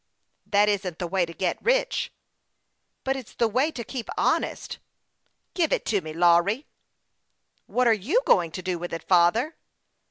" That isn't the way to get rich." ' But it's the way to keep honest." " Give it to me, Lawry." " What are you going to do with it, father